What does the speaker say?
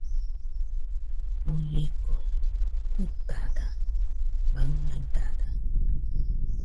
Uieko jɨtada baɨ naidada